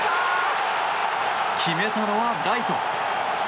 決めたのはライト。